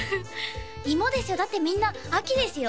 いもですよだってみんな秋ですよ